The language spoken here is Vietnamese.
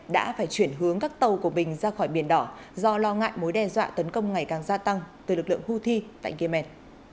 đã phải chuyển hướng các tàu của bình ra khỏi biển đỏ do lo ngại mối đe dọa tấn công ngày càng gia tăng từ lực lượng houthi tại yemen